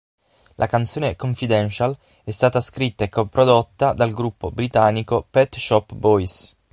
La canzone "Confidential" è stata scritta e coprodotta dal gruppo britannico Pet Shop Boys.